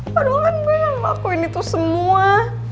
padahal kan gue yang ngelakuin itu semua